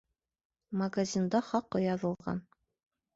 Магазинда хаҡы яҙылған.